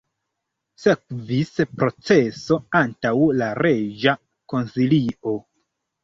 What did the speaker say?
Sekvis proceso antaŭ la reĝa konsilio.